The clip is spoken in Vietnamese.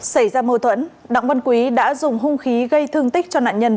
xảy ra mâu thuẫn đảng quân quý đã dùng hung khí gây thương tích cho nạn nhân